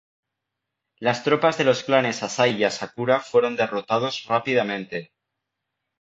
Las tropas de los clanes Asai y Asakura fueron derrotados rápidamente.